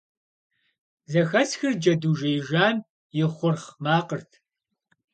Зэхэсхыр джэду жеижам и хъурхъ макъырт.